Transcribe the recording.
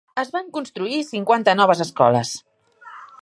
Es van construir cinquanta noves escoles.